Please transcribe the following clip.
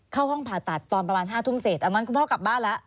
เข้าห้องผ่าตัดตอนประมาณ๕ทุ่มเสร็จอันนั้นคุณพ่อกลับบ้านแล้ว